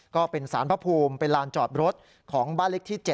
ก็เป็นสารพระภูมิเป็นลานจอดรถของบ้านเล็กที่๗